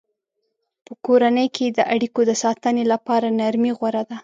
په کورنۍ کې د اړیکو د ساتنې لپاره نرمي غوره ده.